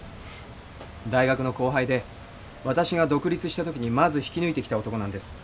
大学の後輩でわたしが独立したときにまず引き抜いてきた男なんです。